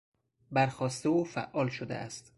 بر خواسته و فعال شده است.